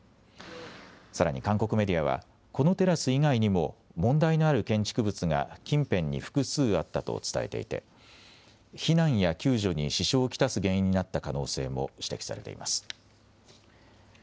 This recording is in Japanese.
さらに韓国メディアは、このテラス以外にも、問題のある建築物が近辺に複数あったと伝えていて、避難や救助に支障を来す原因になった可能性も指摘されています。